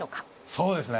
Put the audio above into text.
そうですね。